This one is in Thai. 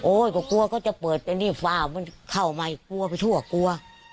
โอ๊ยก็กลัวก็จะเปิดแต่นี่ฟ้ามันเข้ามากลัวชั่วกลัว